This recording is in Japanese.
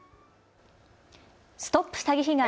ＳＴＯＰ詐欺被害！